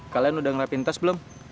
kalian udah ngerapin tas belum